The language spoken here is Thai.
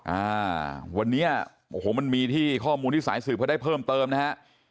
อ่าวันนี้โอ้โหมันมีที่ข้อมูลที่สายสืบเขาได้เพิ่มเติมนะฮะ